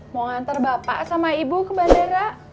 mau ngantar bapak sama ibu ke bandara